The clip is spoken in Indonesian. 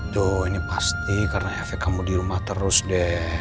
doh ini pasti karena efek kamu di rumah terus deh